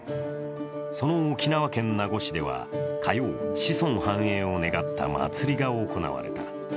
その沖縄県名護市では、火曜、子孫繁栄を願った祭りが行われた。